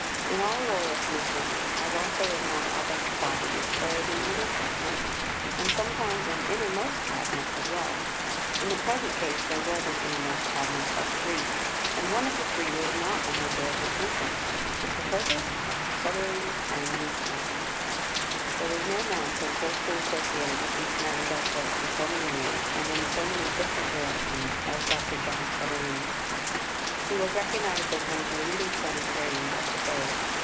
In all Royal Commissions, as also in more august bodies, there is an Inner Cabinet, and sometimes an Innermost Cabinet as well. In the present case there was an Innermost Cabinet of three, and one of the three was not a member of the Commission Mr. Herbert, Dr. Sutherland, and Miss Nightingale. There was no man so closely associated with Miss Nightingale's work for so many years, and in so many different directions, as Dr. John Sutherland. He was recognized as one of the leading sanitarians of the day.